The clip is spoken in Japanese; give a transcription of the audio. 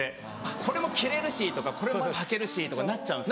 それも着れるしこれまだはけるしとかなっちゃうんです。